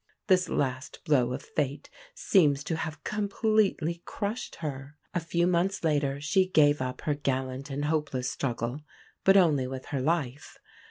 This last blow of fate seems to have completely crushed her. A few months later, she gave up her gallant and hopeless struggle, but only with her life.